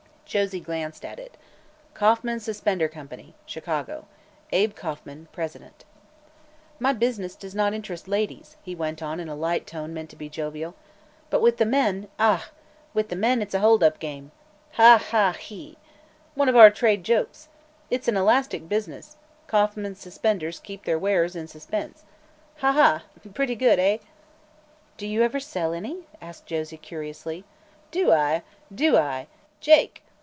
Josie glanced at it: "KAUFFMAN SUSPENDER COMPANY, Chicago. Abe Kauffman, President." "My business does not interest ladies," he went on in a light tone meant to be jovial. "But with the men ah! with the men it's a hold up game. Ha, ha, hee! One of our trade jokes. It's an elastic business; Kauffman's suspenders keep their wearers in suspense. Ha, ha; pretty good, eh?" "Do you ever sell any?" asked Josie curiously. "Do I? Do I, Jake?